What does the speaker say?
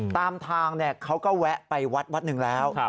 ตามทางเขาก็แวะไปวัดวัดหนึ่งแล้ว